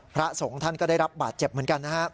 พระสงฆ์ท่านก็ได้รับบาดเจ็บเหมือนกันนะครับ